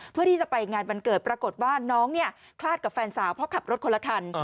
เพื่อที่จะไปงานวันเกิดปรากฏว่าน้องเนี่ยคลาดกับแฟนสาวเพราะขับรถคนละคัน